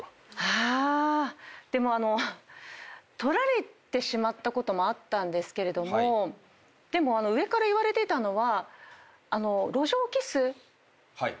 あでもあの撮られてしまったこともあったんですけれどもでも上から言われてたのは。